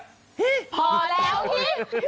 พอแล้ว